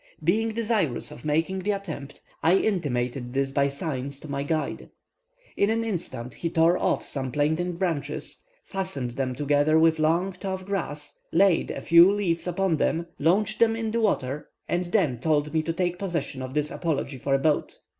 Being desirous of making the attempt, I intimated this by signs to my guide. In an instant he tore off some plantain branches, fastened them together with long, tough grass, laid a few leaves upon them, launched them in the water, and then told me to take possession of this apology for a boat.